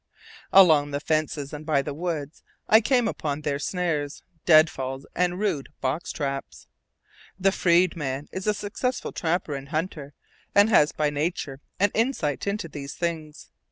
Along the fences and by the woods I come upon their snares, dead falls, and rud box traps. The freedman is a successful trapper and hunter, and has by nature an insight into these things.